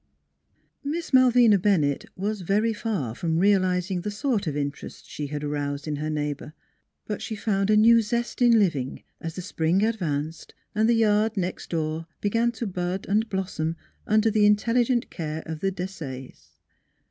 Miss Malvina Bennett was very far from real izing the sort of interest she had aroused in her neighbor. But she found a new zest in living as the spring advanced and the yard next door began to bud and blossom under the intelligent care of the Desayes.